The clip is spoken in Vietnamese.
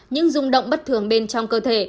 những rung động bất thường bên trong cơ thể